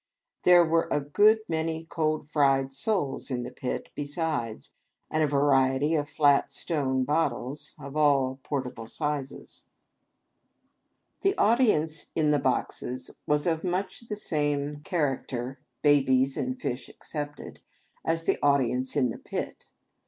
There were a good many cold fried soles in the pit, besides ; and a variety of flat stone bottles, of all portable sizes. The audience in the boxes was of much the same charac 11 163 THE AMUSEMENTS OP THE PEOPLE. ter (babies and fish excepted) as the audience in the pit.